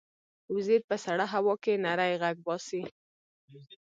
وزې په سړه هوا کې نری غږ باسي